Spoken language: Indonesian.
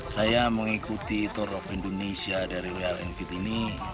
saya mengikuti tour of indonesia dari royal enfield ini